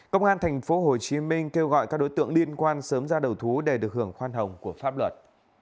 công an tp hcm kêu gọi các đối tượng liên quan sớm ra đầu thú để được hưởng khoan hồng của pháp luật